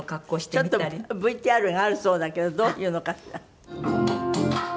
ちょっとＶＴＲがあるそうだけどどういうのかしら？